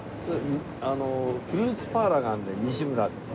フルーツパーラーがあるんだよ西村っていう。